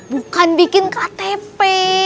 bukan bikin ktp